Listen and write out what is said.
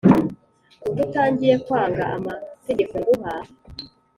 Ubwo utangiye kwanga Amategeko nguha